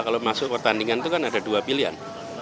kalau masuk pertandingan itu kan ada dua pilihan